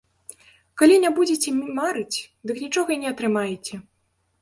Калі не будзіце марыць, дык нічога і не атрымаеце.